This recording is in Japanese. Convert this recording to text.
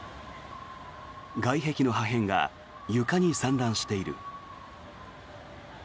外壁の破片が床に散乱している。